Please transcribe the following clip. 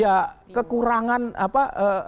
ya kekurangan apa